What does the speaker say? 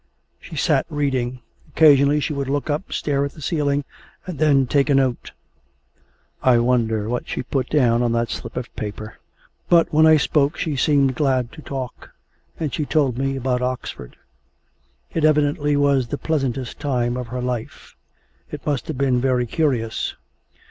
She sat reading. Occasionally she would look up, stare at the ceiling, and then take a note. I wonder what she put down on that slip of paper? But when I spoke she seemed glad to talk, and she told me about Oxford. It evidently was the pleasantest time of her life. It must have been very curious.